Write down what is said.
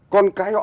con cái họ